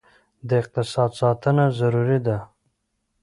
د اقتصاد ساتنه ضروري ده.